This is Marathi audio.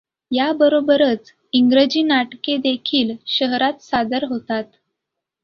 याबरोबरच इंग्रजी नाटके देखिल शहरात सादर होतात.